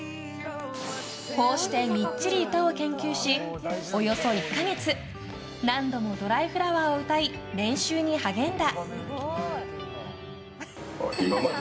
こうしてみっちり歌を研究しおよそ１か月何度も「ドライフラワー」を歌い練習に励んだ。